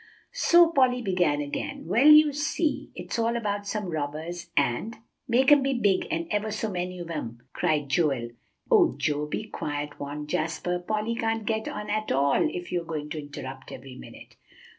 So Polly began again. "Well, you see, it's all about some robbers, and" "Make 'em be big, and ever so many of them," cried Joel. "Oh, Joe, be quiet!" warned Jasper. "Polly can't get on at all if you are going to interrupt every minute."